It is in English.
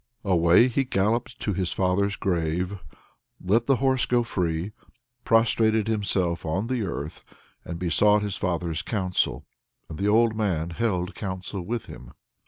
Away he galloped to his father's grave, let the horse go free, prostrated himself on the earth, and besought his father's counsel. And the old man held counsel with him.